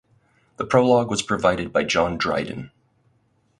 The prologue was provided by John Dryden.